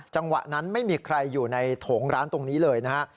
จังหวะนั้นไม่มีใครอยู่ในโถงร้านตรงนี้เลยนะฮะ